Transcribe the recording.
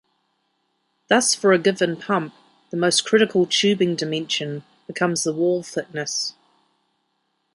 Thus for a given pump, the most critical tubing dimension becomes the wall thickness.